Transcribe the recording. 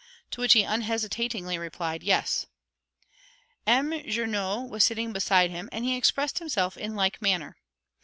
to which he unhesitatingly replied "Yes." M. Journoud was sitting beside him, and he expressed himself in like manner.